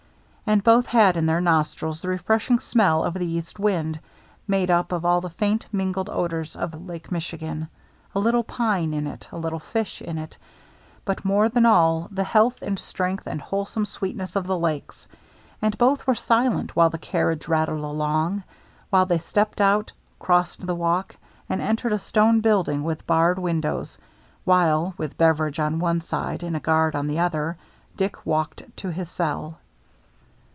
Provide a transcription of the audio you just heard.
And both had in their nostrils the refreshing smell of the east wind — made up of all the faint mingled odors of Lake Michigan — a little pine in it, a little fish in it, but, more than all, the health and strength and wholesome sweetness of the Lakes. And both were silent while the carriage rattled along, while they stepped out, crossed the walk, and entered a stone building with barred windows, while, with Beveridge on one side and a guard on the other, Dick walked to his cell.